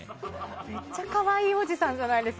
めっちゃ可愛いおじさんじゃないですか。